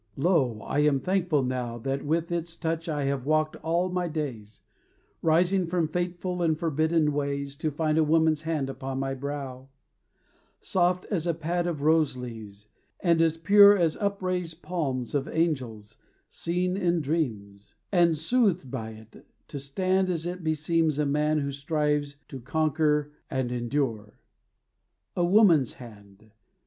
Lo, I am thankful now That with its touch I have walked all my days; Rising from fateful and forbidden ways, To find a woman's hand upon my brow; Soft as a pad of rose leaves, and as pure As upraised palms of angels, seen in dreams: And soothed by it, to stand as it beseems A man who strives to conquer and endure. A woman's hand!